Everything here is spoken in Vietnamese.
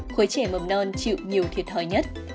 khối trẻ mầm non chịu nhiều thiệt hỏi nhất